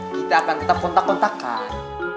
kita akan tetap kontak kontakkan